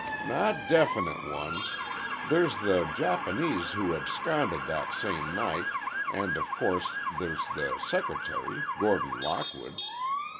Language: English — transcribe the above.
"Not definite ones. There's the Japanese who absconded that same night, and of course, there's the secretary, Gordon Lockwood.